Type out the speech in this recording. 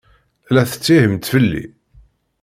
La tettihimt fell-i?